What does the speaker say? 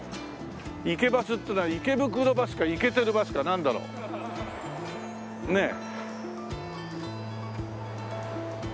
イケバスっていうのは池袋バスかイケてるバスかなんだろう？ねえ。